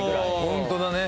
ホントだね。